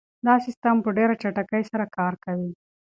دا سیسټم په ډېره چټکۍ سره کار کوي.